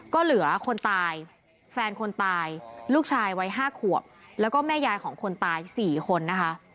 ก็เหลือคนตายแฟนคนตายลูกชายวัย๕ขวบแล้วก็แม่ยายของคนตาย๔คนนะคะ